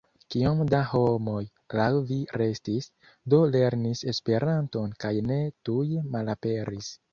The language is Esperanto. Kiom da homoj laŭ vi restis, do lernis Esperanton kaj ne tuj malaperis?